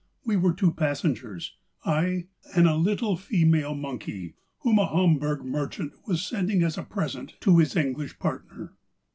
We were two passengers ; I and a little female monkey, whom a Hamburg merchant was sending as a present to his English partner.